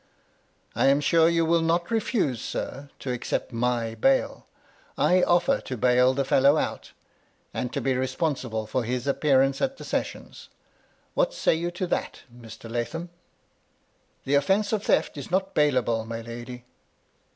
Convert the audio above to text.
" I am sure you will not refuse, sir, to accept my bail. I offer to bail the fellow out, and to be respon sible for his appearance at the sessions. What say you to that, Mr. Lathom ?"" The offence of theft is not bailable, my lady."